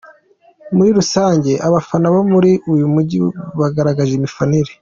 Muri rusange abafana bo muri uyu mujyi bagaragaje imifanire.